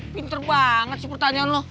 pinter banget sih pertanyaan loh